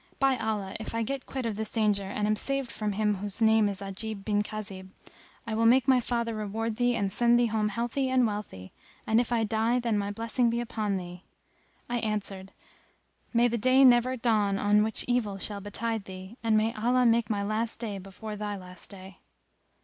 By Allah, if I get quit of this danger and am saved from him whose name is Ajib bin Khazib, I will make my father reward thee and send thee home healthy and wealthy; and, if I die, then my blessing be upon thee." I answered, "May the day never dawn on which evil shall betide thee; and may Allah make my last day before thy last day!"